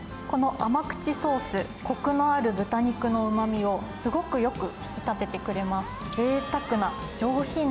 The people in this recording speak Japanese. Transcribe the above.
この甘口ソース、こくのある豚肉のうまみをすごくよく引き立ててくれます。